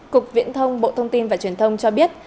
cục viễn thông bộ thông tin và truyền thông cho biết